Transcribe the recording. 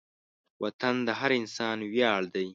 وطن د هر انسان ویاړ دی.